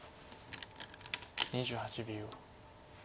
２８秒。